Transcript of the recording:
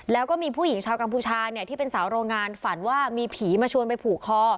แล้วก็มีผู้หญิงชาวกัมพูชาเนี่ยที่เป็นสาวโรงงานฝันว่ามีผีมาชวนไปผูกคอ